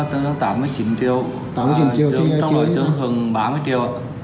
trong đó trưởng hừng ba mươi triệu ạ